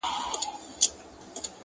نه ستا زوی سي تر قیامته هېرېدلای!٫.